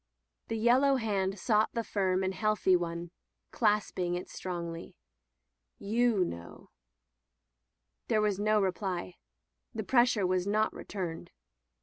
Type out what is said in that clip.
The yellow hand sought the firm and healthy one, clasping it strongly. ''You know/' There was no reply. The pressure was not returned.